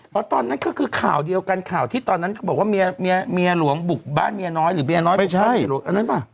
เพราะตอนนั้นก็คือข่าวเดียวกันข่าวที่ตอนนั้นบอกว่าเมียหลวงบุกบ้านเมียน้อยหรือเมียน้อยบุกบ้านเมียหลวง